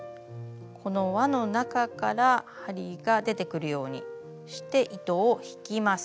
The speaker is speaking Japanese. この輪の中から針が出てくるようにして糸を引きます。